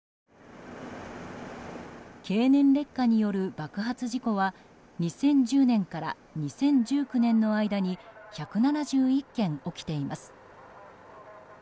経年劣化による爆発事故は２０１０年から２０１９年の間に１７１件起きています。